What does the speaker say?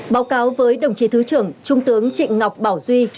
báo cáo với đồng chí thứ trưởng trung tướng trịnh ngọc bảo duy